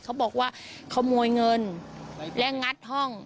เขาบอกว่าขโมยเงินและงัดห้อง